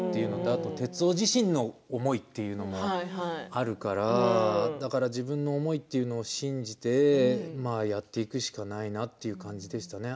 あと、徹生自身の思いというのもあるからだから自分の思いというのを信じてやっていくしかないなという感じでしたね。